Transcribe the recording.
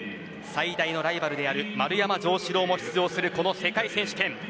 最大のライバルである丸山城志郎も出場するこの世界選手権。